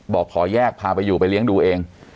บอกขอแยกพาไปอยู่ไปเลี้ยงดูเอง